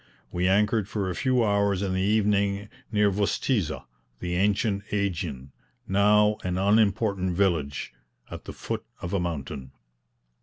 We anchored for a few hours in the evening near Vostizza, the ancient AEgion, now an unimportant village, at the foot of a mountain.